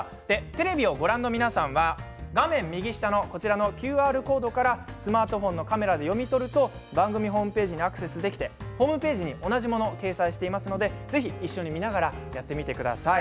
テレビをご覧の皆さんは画面右下のＱＲコードからスマートフォンのカメラで読み取ると番組ホームページにアクセスできてホームページに同じものを掲載していますのでぜひ一緒に見ながらやってみてください。